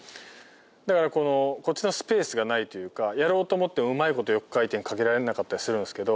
だから、こっちのスペースがないというか、やろうと思ってうまいこと横回転かけれなかったりするんですけど。